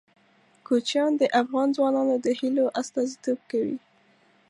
کوچیان د افغان ځوانانو د هیلو استازیتوب کوي.